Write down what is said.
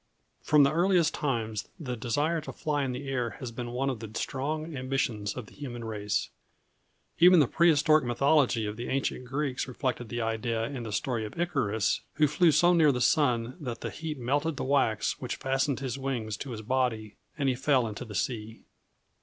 From the earliest times the desire to fly in the air has been one of the strong ambitions of the human race. Even the prehistoric mythology of the ancient Greeks reflected the idea in the story of Icarus, who flew so near to the sun that the heat melted the wax which fastened his wings to his body, and he fell into the sea.